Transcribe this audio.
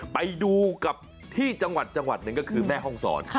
ไปดูกับที่จังหวัดหนึ่งก็คือแม่ห้องศร